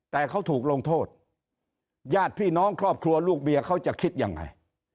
แต่เขาถูกลงโทษญาติพี่น้องครอบครัวลูกเมียเขาจะคิดยังไง